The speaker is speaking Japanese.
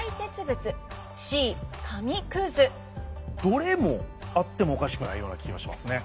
どれもあってもおかしくないような気がしますね。